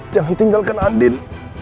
jangan tinggalkan andin